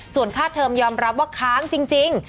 ส่วนค่าเทอมยอมรับว่าค้างจริง